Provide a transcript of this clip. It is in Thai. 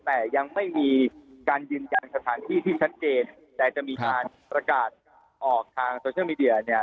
แต่ยังไม่มีการยืนยันสถานที่ที่ชัดเจนแต่จะมีการประกาศออกทางโซเชียลมีเดียเนี่ย